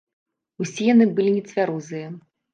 Усе яны былі нецвярозыя.